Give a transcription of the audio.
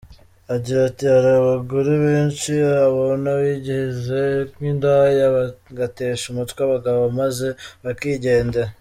Agira ati “Hari abagore benshi ubona bigize nk’indaya bagatesha umutwe abagabo maze bakigendera.